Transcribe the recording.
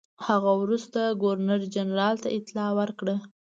هغه وروسته ګورنرجنرال ته اطلاع ورکړه.